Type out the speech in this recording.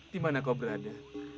dimana kau berada